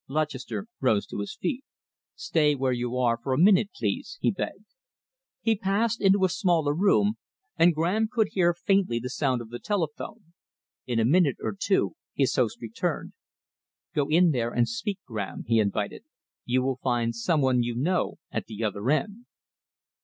Lutchester rose to his feet. "Stay where you are for a minute, please," he begged. He passed into a smaller room, and Graham could hear faintly the sound of the telephone. In a minute or two his host returned. "Go in there and speak, Graham," he invited. "You will find some one you know at the other end."